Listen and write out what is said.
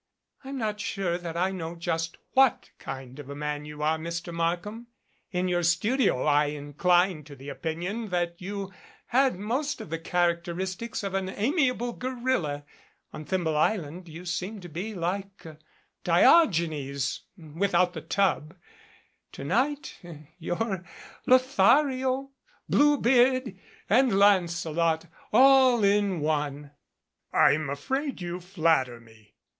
"I'm not sure that I know just what kind of a man you are, Mr. Markham. In your studio I inclined to the opinion that you had most of the characteristics of an amiable gorilla ; on Thimble Island you seemed like Di ogenes without the tub; to night you're Lothario, Blue beard, and Lancelot all in one." "I'm afraid you flatter me.